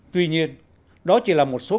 tuy nhiên đó chỉ là một số kết quả bất kỳ